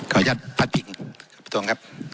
ขออนุญาตภาษภิกษ์ขอบพระตัวงครับ